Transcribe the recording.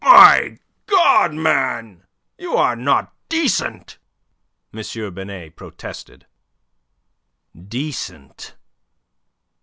"My God, man, you're not decent!" M. Binet protested. "Decent?"